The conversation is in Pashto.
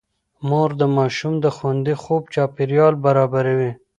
مور د ماشوم د خوندي خوب چاپېريال برابروي.